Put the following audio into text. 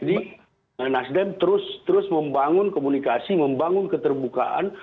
jadi nasdem terus membangun komunikasi membangun keterbukaan